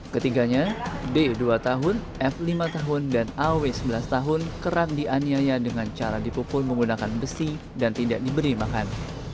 ketiganya d dua tahun f lima tahun dan aw sebelas tahun kerap dianiaya dengan cara dipukul menggunakan besi dan tidak diberi makan